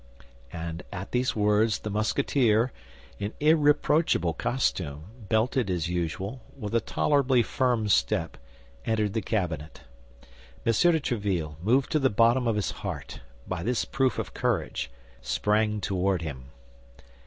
And at these words, the Musketeer, in irreproachable costume, belted as usual, with a tolerably firm step, entered the cabinet. M. de Tréville, moved to the bottom of his heart by this proof of courage, sprang toward him.